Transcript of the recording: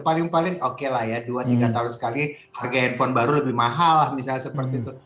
paling paling oke lah ya dua tiga tahun sekali harga hp baru lebih mahal misalnya seperti itu